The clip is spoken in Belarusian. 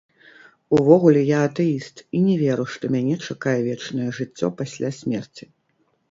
Увогуле, я атэіст і не веру, што мяне чакае вечнае жыццё пасля смерці.